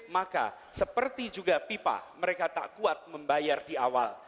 maka seperti juga pipa mereka tak kuat membayar di awal